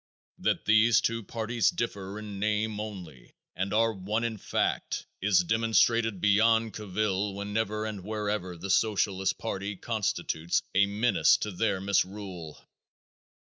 That these two parties differ in name only and are one in fact is demonstrated beyond cavil whenever and wherever the Socialist party constitutes a menace to their misrule.